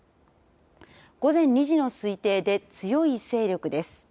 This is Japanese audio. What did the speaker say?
午前２時の推定で強い勢力です。